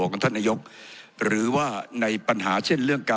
ผมจะขออนุญาตให้ท่านอาจารย์วิทยุซึ่งรู้เรื่องกฎหมายดีเป็นผู้ชี้แจงนะครับ